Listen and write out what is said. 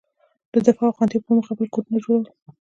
د دفاع او خوندیتوب په موخه خپل کورونه جوړول.